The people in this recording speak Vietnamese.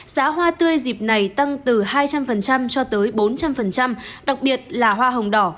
giá hoa tươi dịp này tăng từ hai trăm linh cho tới bốn trăm linh đặc biệt là hoa hồng đỏ